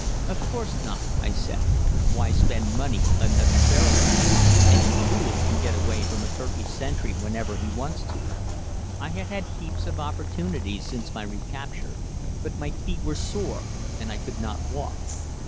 "Of course not," I said, "why spend money unnecessarily? Any fool can get away from a Turkish sentry whenever he wants to. I had had heaps of opportunities since my recapture, but my feet were sore and I could not walk."